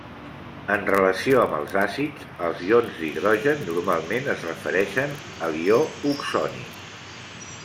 En relació amb els àcids, els ions d'hidrogen normalment es refereixen a l'ió oxoni.